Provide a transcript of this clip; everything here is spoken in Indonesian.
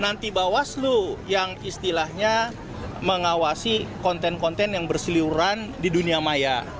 nanti bawaslu yang istilahnya mengawasi konten konten yang berseliuran di dunia maya